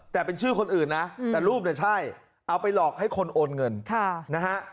แต่เป็นชื่อคนอื่นนะแต่รูปเนี่ยใช่เอาไปหลอกให้คนโอนเงินนะฮะ